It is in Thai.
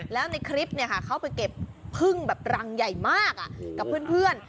แล้วในคลิปเข้าไปเก็บพึ่งแบบรังใหญ่มากกับเพื่อน